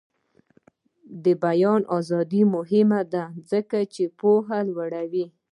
د بیان ازادي مهمه ده ځکه چې پوهه لوړوي.